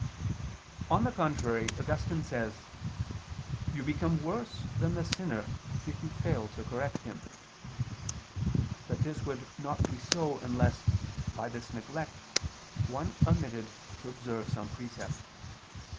On the contrary, Augustine says (De Verb. Dom. xvi, 4): "You become worse than the sinner if you fail to correct him." But this would not be so unless, by this neglect, one omitted to observe some precept.